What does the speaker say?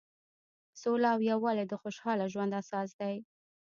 سوله او یووالی د خوشحاله ژوند اساس دی.